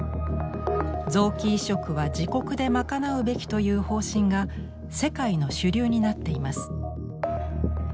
「臓器移植は自国で賄うべき」という方針が世界の主流になっています。